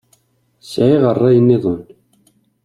Sɛiɣ rray-nniḍen.